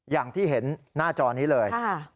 อย่างที่เห็นหน้าจอนี้เลย